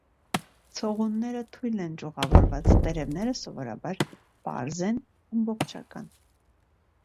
Ցողունները թույլ են ճյուղավորված, տերևները սովորաբար պարզ են, ամբողջական։